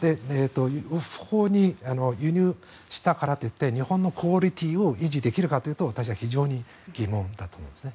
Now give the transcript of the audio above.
違法に輸入したからといって日本のクオリティーを維持できるかというと私は非常に疑問だと思うんですね。